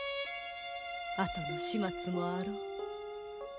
あとの始末もあろう。